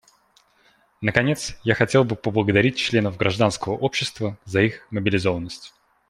Наконец, я хотел бы поблагодарить членов гражданского общества за их мобилизованность.